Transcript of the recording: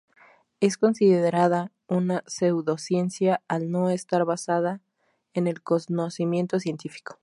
Es considerada una pseudociencia al no estar basada en el conocimiento científico.